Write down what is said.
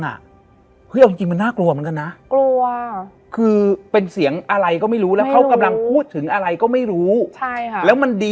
แสดงว่าตอนนั้นเราไม่รู้ตัวเองเราไม่รู้ตัวเอง